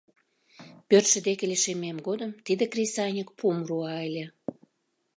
Пӧртшӧ деке лишеммем годым тиде кресаньык пум руа ыле.